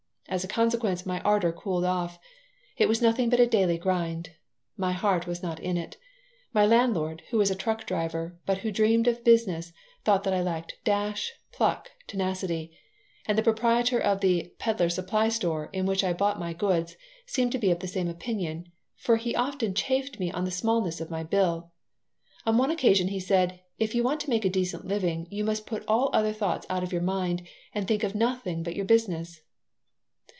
As a consequence, my ardor cooled off. It was nothing but a daily grind. My heart was not in it. My landlord, who was a truck driver, but who dreamed of business, thought that I lacked dash, pluck, tenacity; and the proprietor of the "peddler supply store" in which I bought my goods seemed to be of the same opinion, for he often chaffed me on the smallness of my bill. On one occasion he said: "If you want to make a decent living you must put all other thoughts out of your mind and think of nothing but your business."